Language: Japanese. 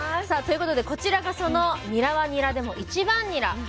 さあということでこちらがそのニラはニラでも１番ニラ。